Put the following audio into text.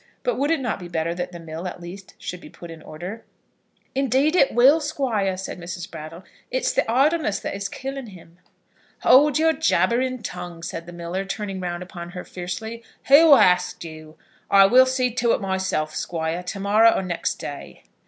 But would it not be better that the mill, at least, should be put in order? "Indeed it will, Squire," said Mrs. Brattle. "It is the idleness that is killing him." "Hold your jabbering tongue," said the miller, turning round upon her fiercely. "Who asked you? I will see to it myself, Squire, to morrow or next day."